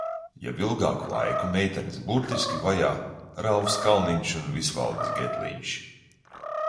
Jau ilgāku laiku meitenes burtiski vajā Ralfs Kalniņš un Visvaldis Getliņš.